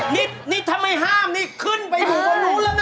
นี่นี่ทำไมห้ามนี่ขึ้นไปทุกวันนู้นแล้วนะฮะ